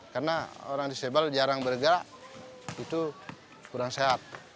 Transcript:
karena orang disabil jarang bergerak itu kurang sehat